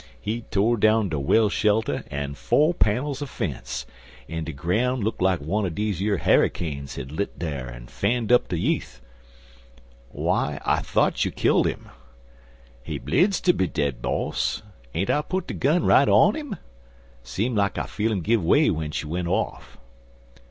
He tore down de well shelter and fo' pannils er fence, an' de groun' look like wunner deze yer harrycanes had lit dar and fanned up de yeath." "Why, I thought you killed him?" "He bleedzed ter be dead, boss. Ain't I put de gun right on 'im? Seem like I feel 'im give way w'en she went off."